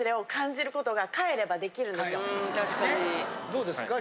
どうですか？